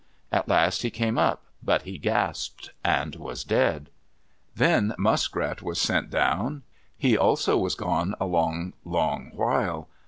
At last he came up, but he gasped and was dead. Then Muskrat was sent down. He also was gone a long, long while.